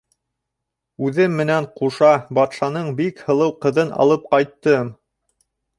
— Үҙем менән ҡуша батшаның бик һылыу ҡыҙын алып ҡайттым.